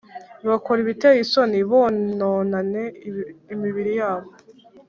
bakora ibiteye isoni bononane imibiri yabo